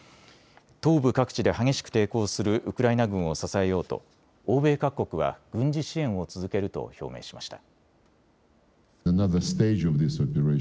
東部各地で激しく抵抗するウクライナ軍を支えようと欧米各国は軍事支援を続けると表明しました。